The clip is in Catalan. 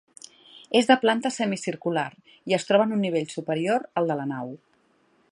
És de planta semicircular, i es troba en un nivell superior al de la nau.